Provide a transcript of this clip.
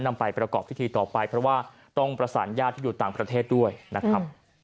นำไปประกอบพิธีต่อไปเพราะว่าต้องประสานญาติที่อยู่ต่างประเทศด้วยนะครับ